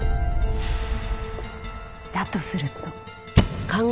だとすると。